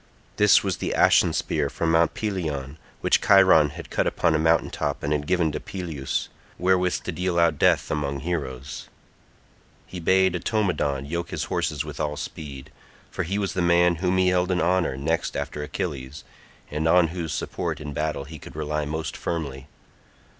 This was the ashen spear from Mount Pelion, which Chiron had cut upon a mountain top and had given to Peleus, wherewith to deal out death among heroes. He bade Automedon yoke his horses with all speed, for he was the man whom he held in honour next after Achilles, and on whose support in battle he could rely most firmly.